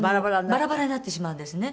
バラバラになってしまうんですね。